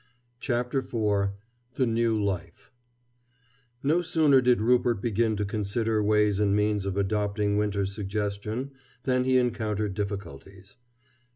CHAPTER IV THE NEW LIFE No sooner did Rupert begin to consider ways and means of adopting Winter's suggestion than he encountered difficulties.